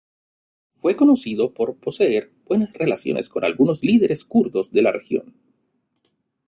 Fue conocido por poseer buenas relaciones con algunos líderes kurdos de la región.